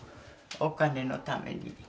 お金のために。